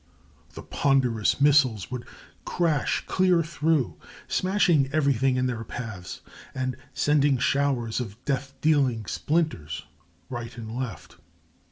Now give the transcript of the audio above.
The ponderous missiles would crash clear through, smashing everything in their path, and sending showers of death dealing splinters right and left.